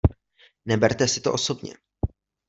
Neberte si to osobně.